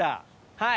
はい。